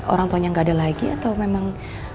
orang tuanya nggak ada lagi atau memang